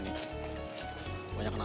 banyak anak ramai